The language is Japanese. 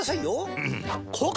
うん！